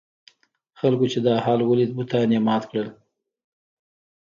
خلکو چې دا حال ولید بتان یې مات کړل.